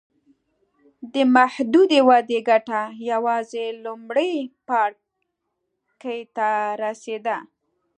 دې محدودې ودې ګټه یوازې لومړي پاړکي ته رسېده.